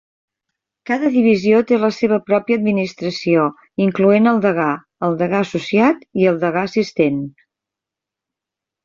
Cada divisió té la seva pròpia administració, incloent el degà, el degà associat i el degà assistent.